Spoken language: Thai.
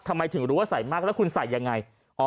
ทำไมถึงรู้ว่าใส่มากแล้วคุณใส่ยังไง